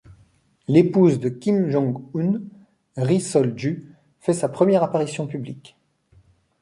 L'épouse de Kim Jong-un, Ri Sol-ju, fait sa première apparition publique.